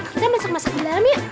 kita masak masak di dalam yuk